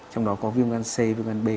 trong đó có viêm gan c viêm gan b